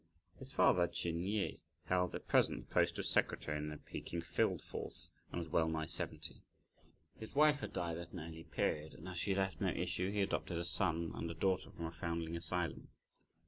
His father, Ch'in Pang yeh, held at present the post of Secretary in the Peking Field Force, and was well nigh seventy. His wife had died at an early period, and as she left no issue, he adopted a son and a daughter from a foundling asylum.